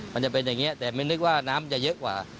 มันจะเป็นอย่างนี้แต่ไม่นึกว่าน้ำจะเยอะกว่า